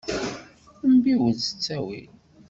Mbiwel s ttawil.